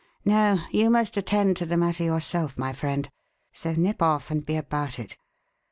No, you must attend to the matter yourself, my friend; so nip off and be about it.